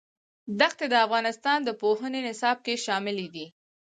دښتې د افغانستان د پوهنې نصاب کې شامل دي.